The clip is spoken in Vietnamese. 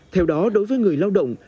theo đó đối với người lao động